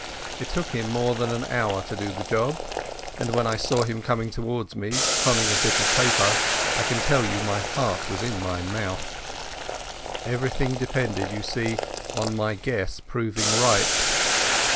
It took him more than an hour to do the job, and when I saw him coming towards me, conning a bit of paper, I can tell you my heart was in my mouth. Everything depended, you see, on my guess proving right.